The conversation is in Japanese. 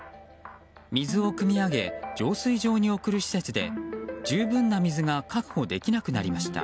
水をくみ上げ浄水場に送る施設で十分な水が確保できなくなりました。